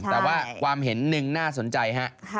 แต่ว่าความเห็นหนึ่งน่าสนใจฮะ